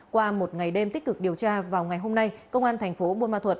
qua một ngày đêm tích cực điều tra vào ngày hôm nay công an thành phố buôn ma thuật